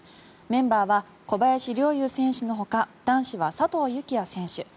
メンバーは小林陵侑選手のほか男子は佐藤幸椰選手